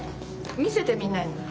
見せてみんなに。